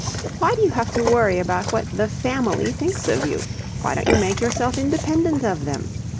Why do you have to worry about what, 'the family' thinks of you? Why don't you make yourself independent of them?